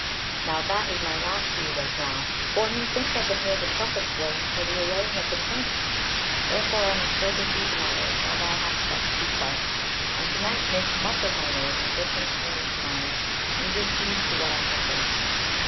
Now that is my last rede as now. For methinks I can hear the trumpets blowing for the arraying of the tourney. Wherefore I must go to see to matters, while thou hast but to be quiet. And to night make much of my Lord, and bid him see me to morrow, and give heed to what I shall say to him.